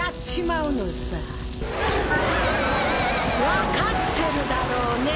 分かってるだろうね？